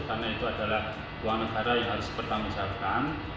karena itu adalah uang negara yang harus dipertanggungjawabkan